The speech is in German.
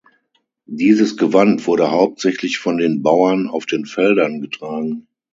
Dieses Gewand wurde hauptsächlich von den Bauern auf den Feldern getragen.